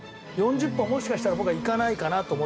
４０本もしかしたら僕はいかないかなと思ってます。